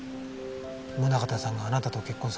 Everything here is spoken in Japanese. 宗形さんがあなたと結婚される